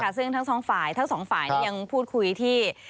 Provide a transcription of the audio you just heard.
ซึ่งทั้งสองฝ่ายทั้งสองฝ่ายยังพูดคุยที่